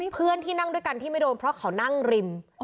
เพื่อนที่นั่งด้วยกันที่ไม่โดนเพราะเขานั่งริม